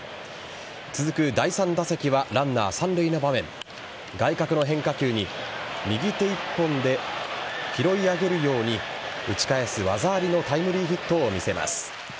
続く第３打席はランナー三塁の場面外角の変化球に右手１本で拾い上げるように打ち返す技ありのタイムリーヒットを見せます。